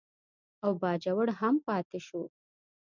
او باجوړ هم پاتې شو.